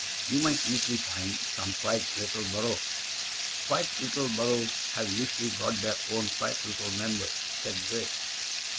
"You might easily find some quiet little borough." "Quiet little boroughs have usually got their own quiet little Members," said Grey.